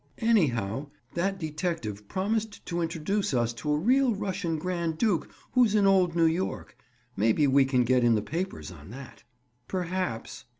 "Anyhow, that detective promised to introduce us to a real Russian grand duke who's in old New York. Maybe we can get in the papers on that." "Perhaps."